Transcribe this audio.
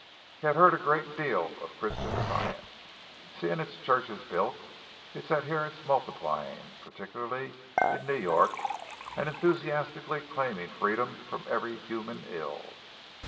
He had heard a great deal of Christian Science, seeing its churches built, its adherents multiplying, particularly in New York, and enthusiastically claiming freedom from every human ill.